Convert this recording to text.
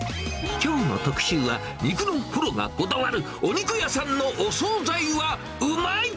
きょうの特集は、肉のプロがこだわるお肉屋さんのお総菜はうまい。